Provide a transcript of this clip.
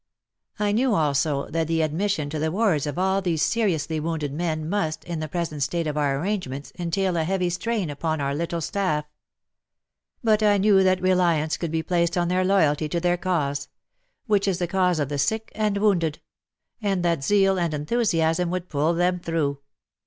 I knew also that the admission to the wards of all these seriously wounded men must, in the present state of our arrangements, entail a heavy strain upon our little staff But I knew that reliance could be placed on their loyalty to their cause — which is the cause of the sick and wounded — and that zeal and enthusiasm would pull them through.